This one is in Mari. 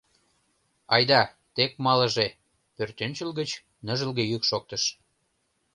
Айда, тек малыже, — пӧртӧнчыл гыч ныжылге йӱк шоктыш.